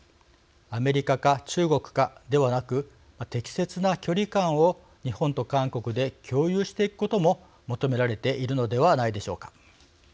アメリカか中国か、ではなく適切な距離感を日本と韓国で共有していくことも求められているのではないでしょうか。